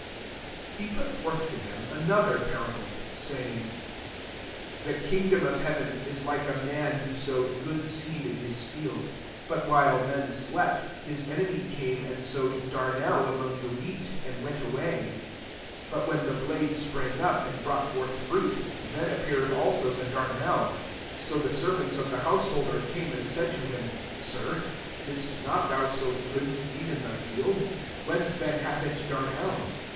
'' 24 He put forth to them ano ther parable, saying, The kingdom of heaven is like a man who sowed good seed in his field: ^ but while men slept, his enemy came and sow ed darnel among the wheat, and went away. 26 But when the blade sprang up, and brought forth fruit, then appeared sdso the darnel. 27 So the servants of the householder came and said to him, ^ Sir, didst not thou sow good seed in thy field ?— whence then hath it darnel?